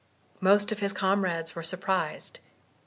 Most of his comrades were surprised.